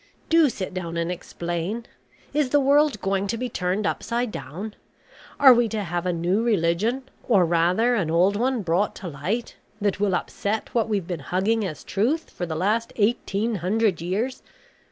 Do sit down and explain. Is the world going to be turned upside down? Are we to have a new religion, or rather an old one brought to light, that will upset what we've been hugging as truth for the last eighteen hundred years.